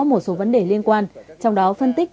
một số vấn đề liên quan trong đó phân tích